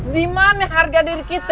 dimana harga diri kita